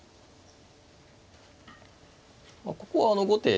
ここは後手が